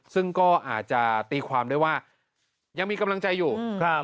ซึ่งก็อาจจะตีความได้ว่ายังมีกำลังใจอยู่ครับ